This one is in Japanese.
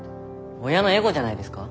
親のエゴじゃないですか？